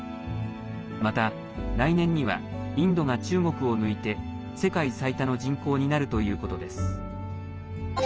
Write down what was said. また、来年にはインドが中国を抜いて世界最多の人口になるということです。